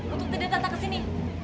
untuk tidak datang kesini